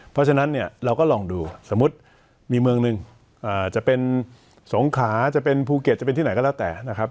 เพราะฉะนั้นเนี่ยเราก็ลองดูสมมุติมีเมืองหนึ่งจะเป็นสงขาจะเป็นภูเก็ตจะเป็นที่ไหนก็แล้วแต่นะครับ